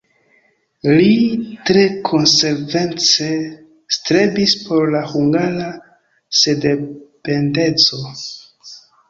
Li tre konsekvence strebis por la hungara sendependeco.